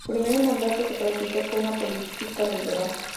Su primer mandato se caracterizó por una política liberal.